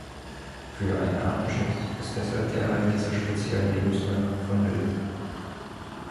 Für einen Artenschutz ist deshalb der Erhalt dieser speziellen Lebensräume vonnöten.